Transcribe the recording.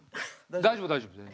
大丈夫大丈夫全然。